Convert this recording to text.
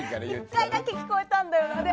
１回だけ聞こえたんだよな。